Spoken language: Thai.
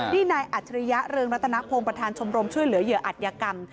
นี่นายอัจฉริยะเรืองรัตนพงศ์ประธานชมรมช่วยเหลือเหยื่ออัตยกรรม